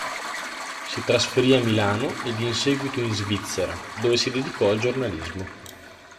Si trasferì a Milano ed in seguito in Svizzera, dove si dedicò al giornalismo.